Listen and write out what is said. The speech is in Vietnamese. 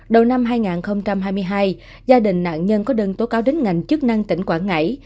đầu năm hai nghìn hai mươi hai gia đình nạn nhân có đơn tố cáo đến ngành chức năng tỉnh quảng ngãi